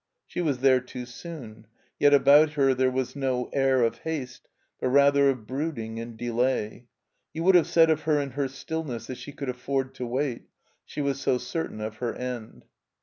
She was there too soon, yet about her there was no air of haste, but rather of brooding and delay. You wotdd have said of her in her stillness that she could afford to wait, she was so certain of her end.